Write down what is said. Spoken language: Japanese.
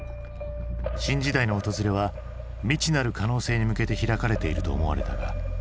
新時代の訪れは未知なる可能性に向けて開かれていると思われたが。